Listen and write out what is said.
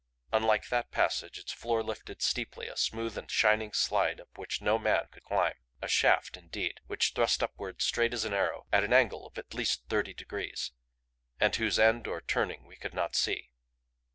Unlike that passage, its floor lifted steeply a smooth and shining slide up which no man could climb. A shaft, indeed, which thrust upward straight as an arrow at an angle of at least thirty degrees and whose end or turning we could not see.